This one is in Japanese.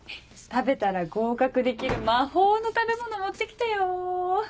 食べたら合格できる魔法の食べ物持って来たよ。